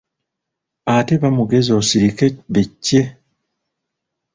Ate ba mugezi osirike be cce.